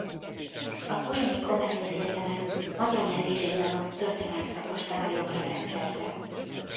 A pozsonyi Comenius Egyetemen magyar nyelv és irodalom–történelem szakos tanári oklevelet szerzett.